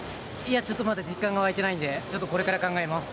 まだ実感が沸いてないので、これから考えます。